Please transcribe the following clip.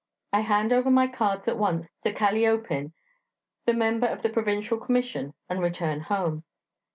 I hand over my cards at once to Kalliopin, the member of the provincial commission, and return home.